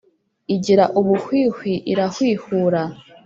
Igira ubuhwihwi irahwihura